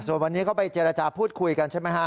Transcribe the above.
ส่วนวันนี้เขาไปเจรจาพูดคุยกันใช่ไหมฮะ